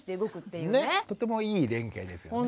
とてもいい連携ですよね。